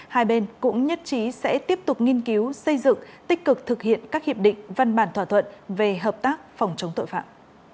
hai bên cũng nhất trí sẽ tiếp tục nghiên cứu xây dựng tích cực thực hiện các hiệp định văn bản thỏa thuận về hợp tác phòng chống tội phạm